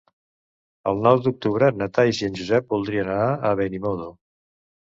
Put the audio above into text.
El nou d'octubre na Thaís i en Josep voldrien anar a Benimodo.